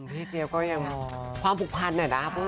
เจี๊ยบก็ยังความผูกพันนะครับ